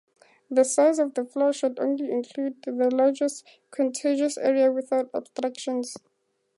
The size of the floor should only include the largest contiguous area without obstructions.